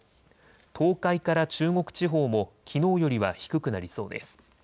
東海から中国地方もきのうよりは低くなりそうです。